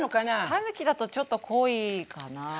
たぬきだとちょっと濃いかなぁ。